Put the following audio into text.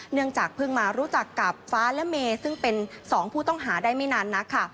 เนื่องจากเพิ่งมารู้จักกับฟ้าและเมซึ่งเป็นสองผู้ต้องหาได้ไม่นานนักค่ะ